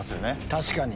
確かに！